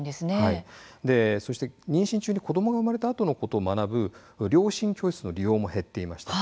そして妊娠中に子どもが生まれたあとのことを学ぶ両親教室の利用も減っています。